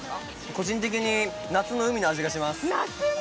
個人的に夏の海の味がします。